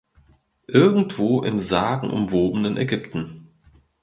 Irgendwo im sagenumwobenen Ägypten.